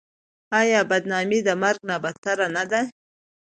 آیا بدنامي د مرګ نه بدتره نه ده؟